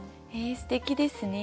すてきですね。